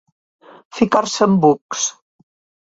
Ficar-se en bucs.